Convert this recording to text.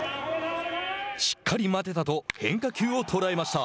しっかり待てたと変化球を捉えました。